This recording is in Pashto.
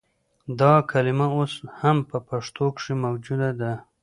دا کلمه اوس هم په پښتو کښې موجوده ده